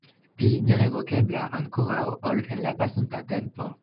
Pli nerevokebla ankoraŭ ol en la pasinta tempo.